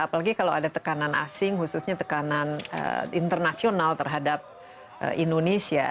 apalagi kalau ada tekanan asing khususnya tekanan internasional terhadap indonesia